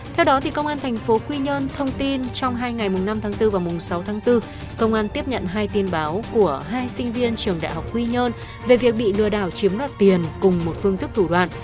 theo đó công an thành phố quy nhơn thông tin trong hai ngày năm tháng bốn và sáu tháng bốn công an tiếp nhận hai tin báo của hai sinh viên trường đại học quy nhơn về việc bị lừa đảo chiếm đoạt tiền cùng một phương thức thủ đoạn